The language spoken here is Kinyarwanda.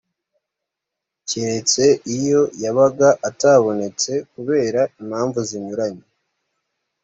keretse iyo yabaga atabonetse kubera impamvu zinyuranye